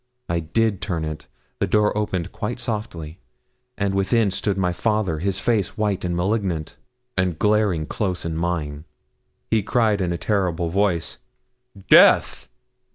I did turn it; the door opened quite softly, and within stood my father, his face white and malignant, and glaring close in mine. He cried in a terrible voice, 'Death!'